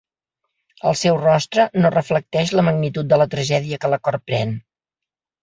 El seu rostre no reflecteix la magnitud de la tragèdia que la corprèn.